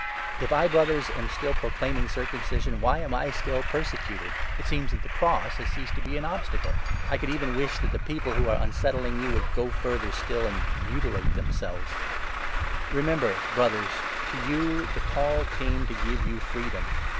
If I, Brothers, am still n proclaiming circumcision, whyam I still persecuted ? It seems that the Cross has ceased to be an obstacle ! I could 12 even wish that the people who are unsettling you would go further still and mutilate themselves. The Limit* of Remember, Brothers, to you the Call came to 13 Christian give you freedom.